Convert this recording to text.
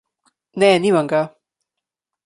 Ne, nimam ga.